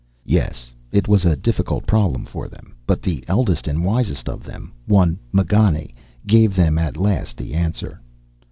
Yes, it was a difficult problem for them, but the eldest and wisest of them, one M'Ganne, gave them at last the answer.